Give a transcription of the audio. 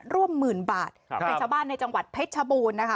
ร่วมหมื่นบาทครับเป็นชาวบ้านในจังหวัดเพชรชบูรณ์นะคะ